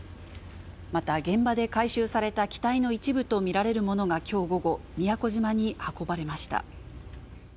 また、現場で回収された機体の一部と見られるものがきょう午後、宮古島に運ばれました。